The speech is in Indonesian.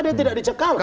dia tidak dicekal